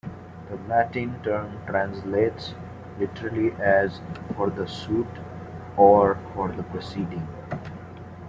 The Latin term translates literally as "for the suit" or "for the proceeding".